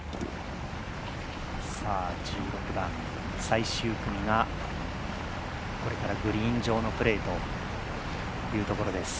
１６番、最終組がこれからグリーン上のプレーというところです。